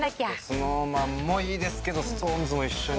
ＳｎｏｗＭａｎもいいですけどＳｉｘＴＯＮＥＳも一緒に。